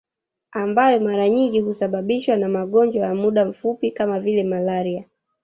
Ambayo mara nyingi husababishwa na magonjwa ya muda mfupi kama vile malaria